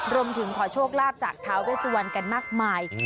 รวมถึงขอโชคลาภจากเท้าด้วยสุวรรค์กันมากมาย